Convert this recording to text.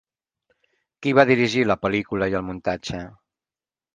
Qui va dirigir la pel·lícula i el muntatge?